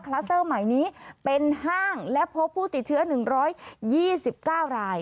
เตอร์ใหม่นี้เป็นห้างและพบผู้ติดเชื้อ๑๒๙ราย